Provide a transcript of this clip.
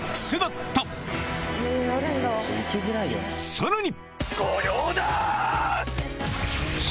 さらに！